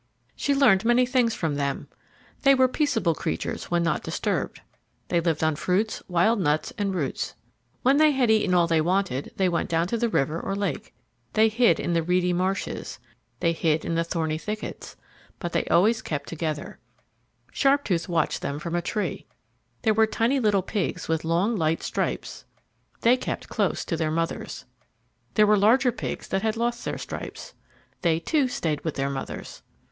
She learned many things from them. They were peaceable creatures when not disturbed. They lived on fruits, wild nuts, and roots. When they had eaten all they wanted, they went down to the river or lake. They hid in the reedy marshes. They hid in the thorny thickets. But they always kept together. Sharptooth watched them from a tree. There were tiny little pigs with long, light stripes. They kept close to their mothers. There were larger pigs that had lost their stripes. They, too, stayed with their mothers.